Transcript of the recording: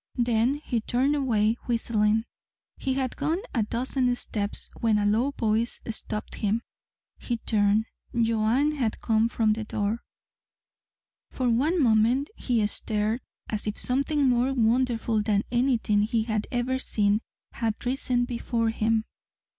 Then he turned away, whistling. He had gone a dozen steps when a low voice stopped him. He turned. Joanne had come from the door. For one moment he stared as if something more wonderful than anything he had ever seen had risen before him.